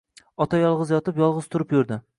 Ota yolg‘iz yotib, yolg‘iz turib yurdi